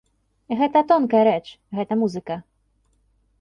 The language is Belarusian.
Гэта тонкая рэч, гэта музыка.